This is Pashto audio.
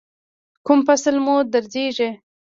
کوم مفصل مو دردیږي؟